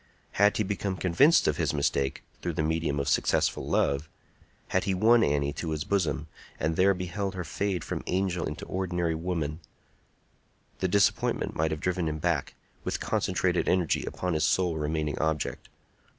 Had he become convinced of his mistake through the medium of successful love,—had he won Annie to his bosom, and there beheld her fade from angel into ordinary woman,—the disappointment might have driven him back, with concentrated energy, upon his sole remaining object.